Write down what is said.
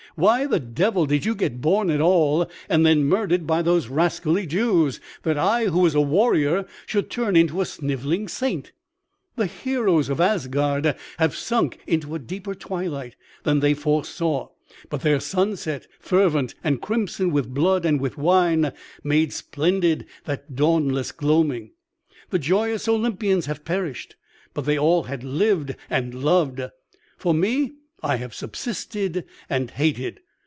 Why the devil did you get born at all, and then murdered by those rascally Jews, that I who was a warrior should turn into a snivelling saint? The heroes of Asgard have sunk into a deeper twilight than they foresaw; but their sunset, fervent and crimson with blood and with wine, made splendid that dawnless gloaming. The joyous Olympians have perished, but they all had lived and loved. For me, I have subsisted and hated.